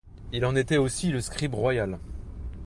Il en était aussi le scribe royal.